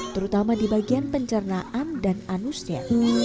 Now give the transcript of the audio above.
terutama di bagian pencernaan dan anusnya